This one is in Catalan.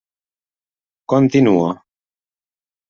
Continuo.